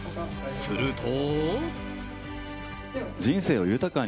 すると。